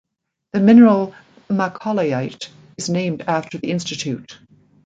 The mineral Macaulayite is named after the Institute.